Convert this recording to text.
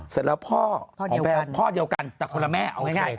เสร็จแล้วพ่อของแฟนพ่อเดียวกันแต่คนละแม่เอาง่าย